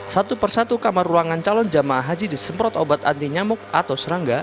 satu persatu kamar ruangan calon jemaah haji disemprot obat anti nyamuk atau serangga